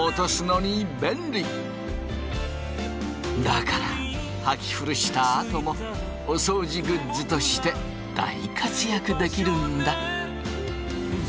だからはき古したあともお掃除グッズとして大活躍できるんだ！